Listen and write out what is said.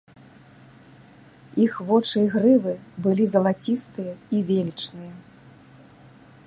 Іх вочы і грывы былі залацістыя і велічныя.